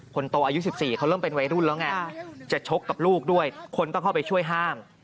คนโตอายุ๑๔เขาเริ่มเป็นวัยรุ่นแล้วไงจะชกกับลูกด้วยคนก็เข้าไปช่วยห้าม